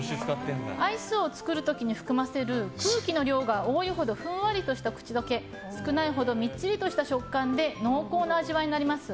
アイスを作る時に含ませる空気の量が多いほどふんわりとした口溶け少ないほどみっちりとした食感で濃厚な味わいになります。